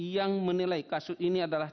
yang menilai kasus ini adalah